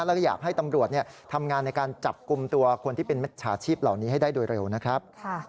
แล้วก็อยากให้ตำรวจทำงานในการจับกลุ่มตัวคนที่เป็นมิจฉาชีพเหล่านี้ให้ได้โดยเร็วนะครับ